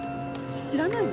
知らないの？